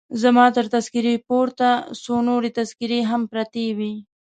زما تر تذکیرې پورته څو نورې تذکیرې هم پرتې وې.